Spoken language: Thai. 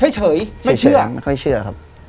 เฉยไม่เชื่อไม่ค่อยเชื่อครับ